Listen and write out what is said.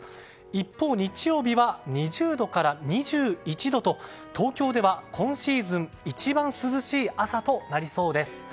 一方、日曜日は２０度から２１度と東京では今シーズン一番涼しい朝となりそうです。